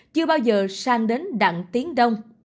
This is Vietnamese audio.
chưa bao giờ sang đến đặng tiến đông